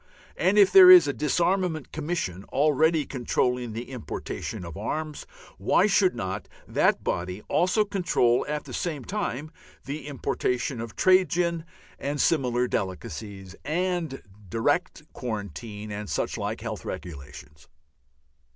And if there is a Disarmament Commission already controlling the importation of arms, why should not that body also control at the same time the importation of trade gin and similar delicacies, and direct quarantine and such like health regulations?